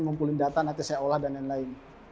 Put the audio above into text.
ngumpulin data nanti saya olah dan lain lain